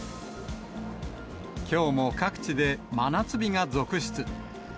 きょうも各地で真夏日が続出。